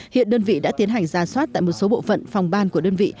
hiện đơn vị đã tiến hành ra soát tại một số bộ phận phòng ban của đơn vị